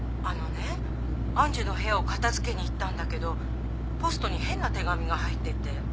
あのね愛珠の部屋を片付けに行ったんだけどポストに変な手紙が入ってて。